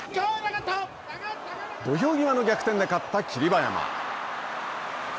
土俵際の逆転で勝った霧馬山。